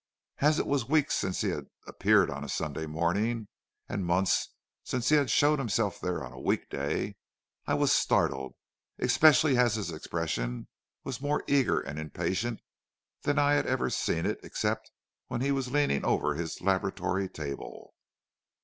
As it was weeks since he had appeared on a Sunday morning and months since he had showed himself there on a week day, I was startled, especially as his expression was more eager and impatient than I had ever seen it except when he was leaning over his laboratory table.